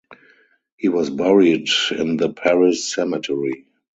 He was buried in the Paris Cemetery.